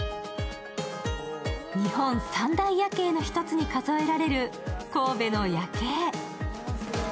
日本三大夜景の一つに数えられる神戸の夜景。